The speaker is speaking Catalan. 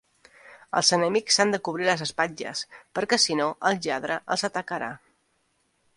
Els enemics s'han de cobrir les espatlles, perquè si no el lladre els atacarà.